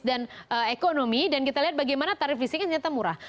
dan ekonomi dan kita lihat bagaimana tarif listriknya ternyata murah